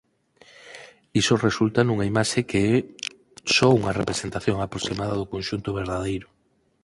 Iso resulta nunha imaxe que é só unha representación aproximada do conxunto verdadeiro.